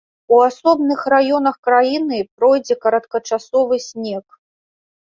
У асобных раёнах краіны пройдзе кароткачасовы снег.